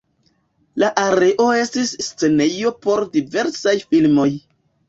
La areo estis scenejo por diversaj filmoj.